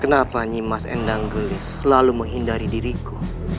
kenapa nyimas endanggelis selalu menghindari diriku